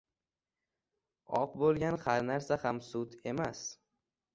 • Oq bo‘lgan har narsa ham sut emas.